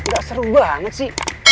gak seru banget sih